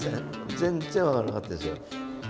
全然分からなかったですよ。